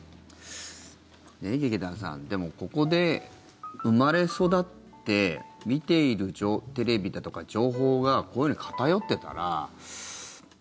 劇団さんでも、ここで生まれ育って見ているテレビだとか情報がこういうふうに偏ってたら。